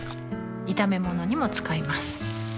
炒め物にも使います